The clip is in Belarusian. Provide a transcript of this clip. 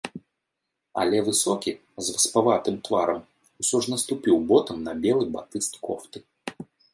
Але высокі, з васпаватым тварам, усё ж наступіў ботам на белы батыст кофты.